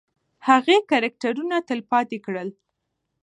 هغې کرکټرونه تلپاتې کړل.